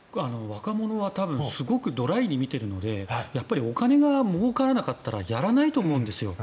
若者は多分すごくドライに見ているのでお金がもうからなかったらやらないと思うんです。